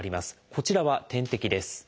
こちらは点滴です。